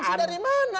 asumsi dari mana